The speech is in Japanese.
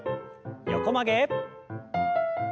横曲げ。